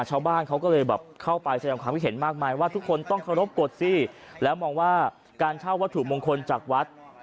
ชาวบ้านเขาก็เลยแบบเข้าไปแสดงความคิดเห็นมากมายว่าทุกคนต้องเคารพกฎสิแล้วมองว่าการเช่าวัตถุมงคลจากวัด